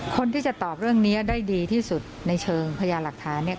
คนที่จะตอบเรื่องนี้ได้ดีที่สุดในเชิงพยานหลักฐานเนี่ย